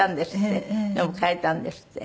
でも買えたんですって。